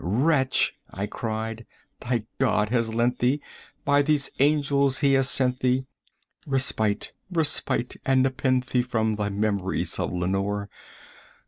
80 "Wretch," I cried, "thy God hath lent thee by these angels he hath sent thee Respite respite and nepenthe from thy memories of Lenore!